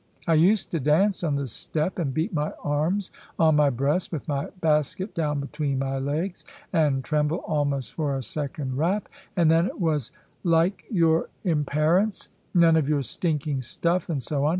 I used to dance on the step, and beat my arms on my breast, with my basket down between my legs, and tremble almost for a second rap; and then it was, "Like your imperence!" "None of your stinking stuff!" and so on.